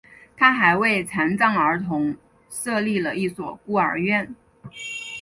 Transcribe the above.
他还为残障儿童设立了一所孤儿院。